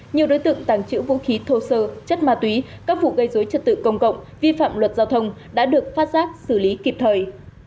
nhiều đối tượng tàng trữ vũ khí thô sơ chất ma túy các vụ gây dối trật tự công cộng vi phạm luật giao thông đã được phát giác xử lý kịp thời